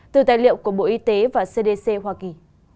từ tài liệu của bộ y tế và cdc hoa kỳ